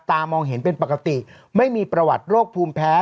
มองเห็นเป็นปกติไม่มีประวัติโรคภูมิแพ้